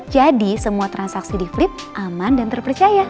jadi semua transaksi di flip aman dan terpercaya